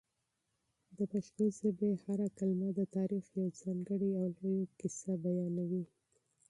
د پښتو ژبې هره کلمه د تاریخ یوه ځانګړې او لویه کیسه بیانوي.